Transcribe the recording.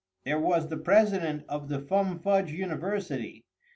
There was the President of the Fum Fudge University.